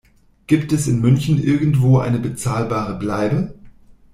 Gibt es in München irgendwo eine bezahlbare Bleibe?